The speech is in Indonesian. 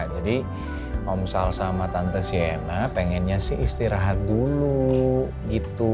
jadi om sal sama tante sienna pengennya sih istirahat dulu gitu